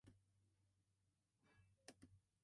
He served as the Finance Secretary of Bangladesh.